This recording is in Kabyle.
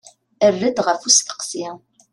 Err-d ɣef usteqsi.